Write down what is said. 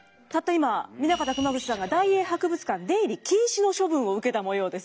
今南方熊楠さんが大英博物館出入り禁止の処分を受けた模様です。